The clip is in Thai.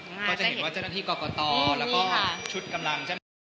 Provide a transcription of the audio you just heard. ก็จะเห็นว่าเจ้าหน้าที่กรอกกรตอแล้วก็ชุดกำลัง